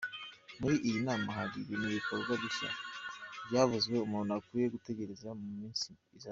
Muri iyi nama hari ibindi bikorwa bishya byavutse umuntu akwiye gutegereza mu minsi izaza.